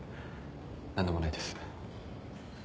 何でもないです。